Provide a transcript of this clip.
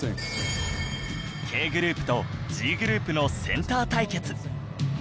Ｋ グループと Ｇ グループのセンター対決